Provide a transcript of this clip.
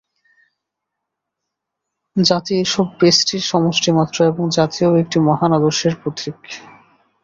জাতি এইসব ব্যষ্টির সমষ্টিমাত্র, এবং জাতিও একটি মহান আদর্শের প্রতীক।